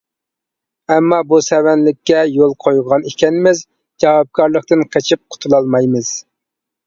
ئەمما بۇ سەۋەنلىككە يول قويغان ئىكەنمىز، جاۋابكارلىقتىن قېچىپ قۇتۇلالمايمىز.